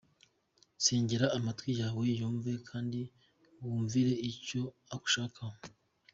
Sengera amatwi yawe yumve kandi wumvire icyo agushakaho.